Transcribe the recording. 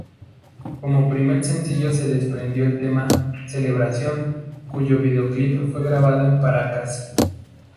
Como primer sencillo se desprendió el tema "Celebración" cuyo videoclip fue grabado en Paracas.